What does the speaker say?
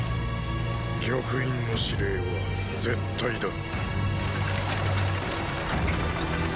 玉印の指令は絶対だ。